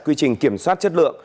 quy trình kiểm soát chất lượng